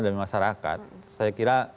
dari masyarakat saya kira